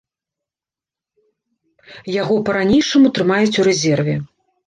Яго па-ранейшаму трымаюць у рэзерве.